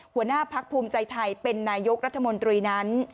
หัวหน้าพักภูมิใจไทยเป็นนายกรัฐมนตรีนั้น